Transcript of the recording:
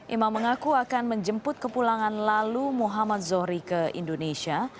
imam mengaku akan menjemput kepulangan lalu muhammad zohri ke indonesia